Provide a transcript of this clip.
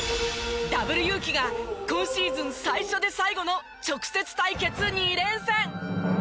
Ｗユウキが今シーズン最初で最後の直接対決２連戦。